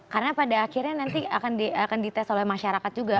karena pada akhirnya nanti akan dites oleh masyarakat juga